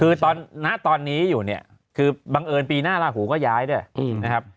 คือณตอนนี้อยู่เนี่ยคือบังเอิญปีหน้าลาหูก็ย้ายด้วยนะครับ